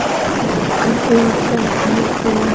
আরো চা বানাও ভাইয়া!